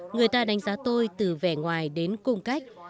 người ta đánh giá tôi từ vẻ ngoài đến cung cách